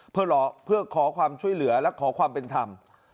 เพื่อขอความช่วยเหลือและขอความเป็นธรรม